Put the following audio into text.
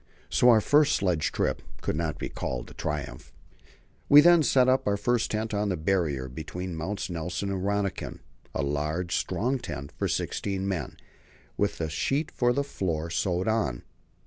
So our first sledge trip could not be called a triumph. We then set up our first tent on the Barrier, between Mounts Nelson and Rönniken a large, strong tent for sixteen men, with the sheet for the floor sewed on.